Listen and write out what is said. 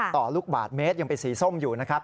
ต่อลูกบาทเมตรยังเป็นสีส้มอยู่นะครับ